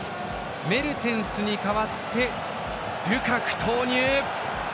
メルテンスに代わってルカク投入！